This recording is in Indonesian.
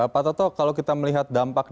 pak toto kalau kita melihat dampak